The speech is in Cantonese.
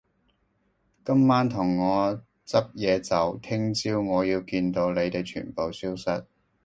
今晚同我執嘢走，聽朝我要見到你哋全部消失